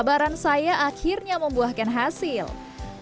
batang pinang yang sudah terserut selanjutnya diberikan